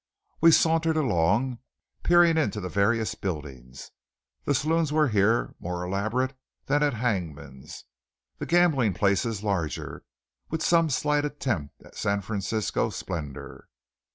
We sauntered along peering into the various buildings. The saloons were here more elaborate than at Hangman's, the gambling places larger, and with some slight attempt at San Francisco splendour.